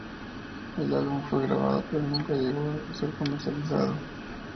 El álbum fue grabado, pero nunca llegó a ser comercializado.